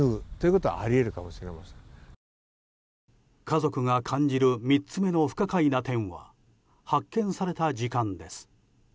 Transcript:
家族が感じる３つ目の不可解な点は発見された時間です。